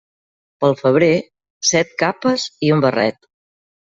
Pel febrer, set capes i un barret.